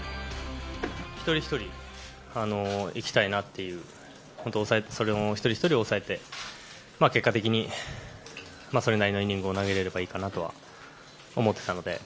一人一人行きたいなっていう、本当、一人一人抑えて、結果的にそれなりのイニングを投げれればいいなとは思ってたので。